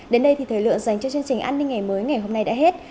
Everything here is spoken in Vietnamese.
đến đây thì thời lượng dành cho chương trình an ninh ngày mới ngày hôm nay đã hết